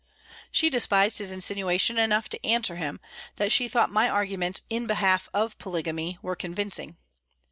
"She despised his insinuation enough to answer him, that she thought my arguments in behalf of polygamy were convincing.